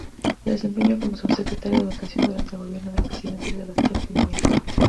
Se desempeñó como subsecretario de educación durante el gobierno del presidente Sebastián Piñera.